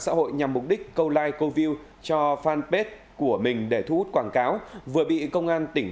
xã hội nhằm mục đích câu like câu view cho fanpage của mình để thu hút quảng cáo vừa bị công an tỉnh